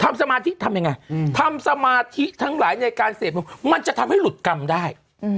สมาธิทำยังไงทำสมาธิทั้งหลายในการเสพมันจะทำให้หลุดกรรมได้